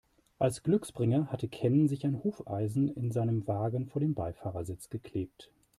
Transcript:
Als Glücksbringer hatte Ken sich ein Hufeisen in seinem Wagen vor den Beifahrersitz geklebt.